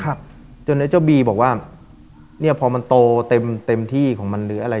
ครับจนไอ้เจ้าบีบอกว่าเนี้ยพอมันโตเต็มเต็มที่ของมันหรืออะไร